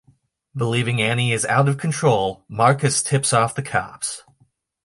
Believing Annie is out of control, Marcus tips off the cops.